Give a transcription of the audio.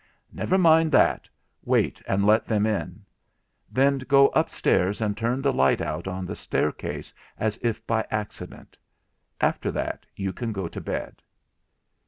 'Never mind that; wait and let them in. Then go upstairs and turn the light out on the staircase as if by accident. After that you can go to bed.'